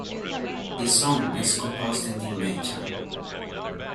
The song is composed in D major.